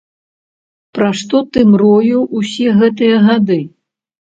Пра што ты мроіў усе гэтыя гады?